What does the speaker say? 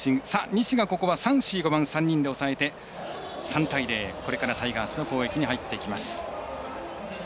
西が、３、４、５番を３人で抑えて３対０、これからタイガースの攻撃に入っていきます。